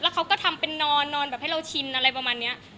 เค้าก็ทำไปนอนนอนให้เราชินอะไรบ่มานี้